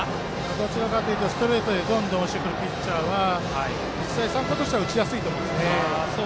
どちらかというとストレートで押してくるピッチャーは日大三高としては打ちやすいと思います。